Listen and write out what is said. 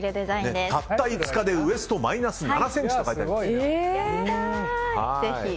たった５日でウエスト−７ｃｍと書いてあります。